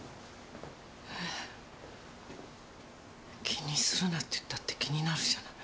気にするなって言ったって気になるじゃない。